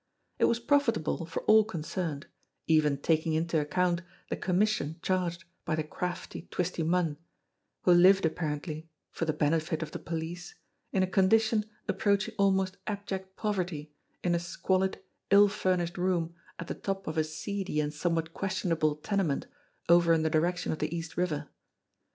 It was profitable for all concerned, even taking into account the commission charged by the crafty Twisty Munn, who lived apparently for the benefit of the police in a condition approaching almost abject poverty in a squalid, ill furnished room at the top of a seedy and somewhat ques tionable tenement over in the direction of the East River.